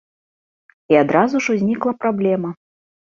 І адразу ж узнікла праблема.